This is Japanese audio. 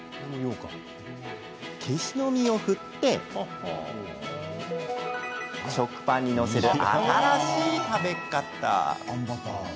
ケシの実を振って食パンに載せる新しい食べ方。